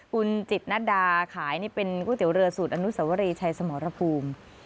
คุณจิตนัดดาขายนี่เป็นก๋วยเตี๋ยวเรือสูตรอนุสวรีชัยสมรภูมิ